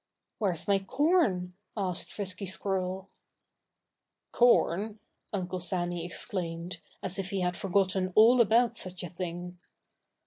"Where's my corn?" asked Frisky Squirrel. "Corn!" Uncle Sammy exclaimed, as if he had forgotten all about such a thing.